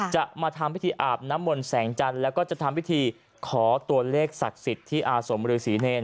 จะมาทำพิธีอาบน้ำมนต์แสงจันทร์แล้วก็จะทำพิธีขอตัวเลขศักดิ์สิทธิ์ที่อาสมฤษีเนร